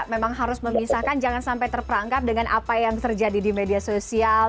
memang harus memisahkan jangan sampai terperangkap dengan apa yang terjadi di media sosial